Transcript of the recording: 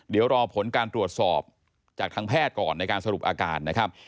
เดี๋ยวรอผลการตรวจสอบจากทางแพทย์ก่อนในการสรุปอาการนะครับ